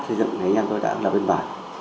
thế giới hành nhân tôi đã là bên bản